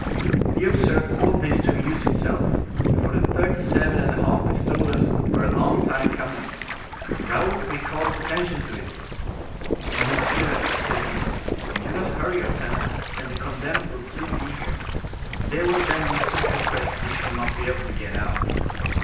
He observed all this to amuse himself, for the thirty seven and a half pistoles were a long time coming. Raoul recalled his attention to it. "Monsieur," said he, "you do not hurry your tenant, and the condemned will soon be here. There will then be such a press we shall not be able to get out."